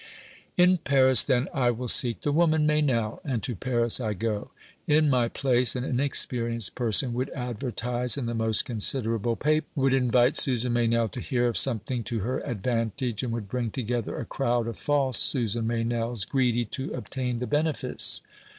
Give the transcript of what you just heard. In Paris, then, I will seek the woman Meynell, and to Paris I go. In my place an inexperienced person would advertise in the most considerable papers; would invite Susan Meynell to hear of something to her advantage; and would bring together a crowd of false Susan Meynells, greedy to obtain the benefice.